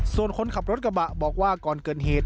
ส่วนคนขับรถกระบะบอกว่าก่อนเกิดเหตุ